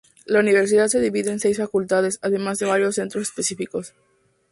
La universidad se divide en seis facultades, además de varios centros específicos.